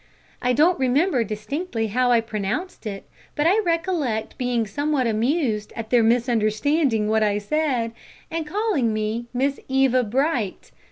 I don't remember distinctly how I pronounced it, but I recollect being somewhat amused at their misunderstanding what I said, and calling me Miss Eva Bright!